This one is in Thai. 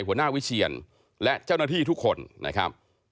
หัวหน้าวิเชียนและเจ้าหน้าที่ทุกคนนะครับ